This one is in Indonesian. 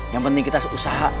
yang penting kita usaha